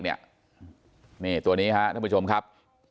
นี่ตัวนี้ครับท่านผู้ชมครับ